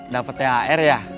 dapat tar ya